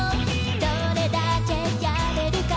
「どれだけやれるか」